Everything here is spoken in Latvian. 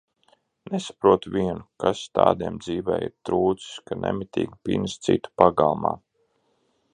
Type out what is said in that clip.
Nesaprotu vienu, kas tādiem dzīvē ir trūcis, ka nemitīgi pinas citu pagalmā?